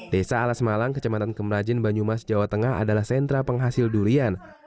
desa alas malang kecamatan kemerajen banyumas jawa tengah adalah sentra penghasil durian